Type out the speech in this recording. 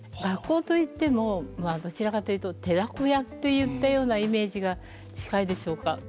学校といってもどちらかっていうと寺子屋っていったようなイメージが近いでしょうか。